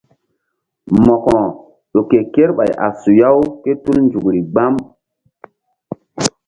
Mo̧ko ƴo ke kerɓay a suya-u ké tul nzukri gbam.